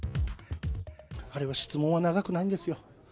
あれは質問は長くないんですよ。